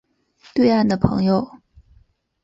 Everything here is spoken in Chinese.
对岸的朋友